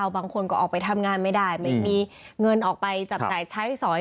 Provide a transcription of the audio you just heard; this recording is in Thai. บางคนก็ออกไปทำงานไม่ได้ไม่มีเงินออกไปจับจ่ายใช้สอย